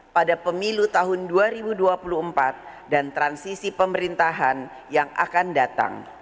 pada pemilu tahun dua ribu dua puluh empat dan transisi pemerintahan yang akan datang